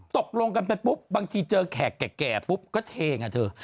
ตกลงกันไปปุ๊บบางทีเจอแขกแก่ปุ๊บก็เทไงเธอ